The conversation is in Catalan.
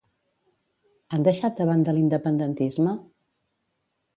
Han deixat de banda l'independentisme?